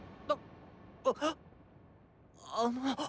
あの。